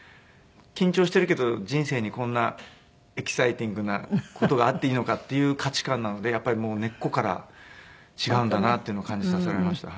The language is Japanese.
緊張してるけど人生にこんなエキサイティングな事があっていいのかっていう価値観なのでやっぱり根っこから違うんだなっていうのを感じさせられました。